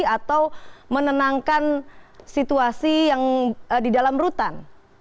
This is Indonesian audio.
atau menenangkan situasi yang di dalam rutan